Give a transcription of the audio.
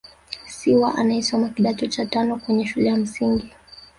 Siwa anayesomea kidato cha tano kwenye shule ya msingi.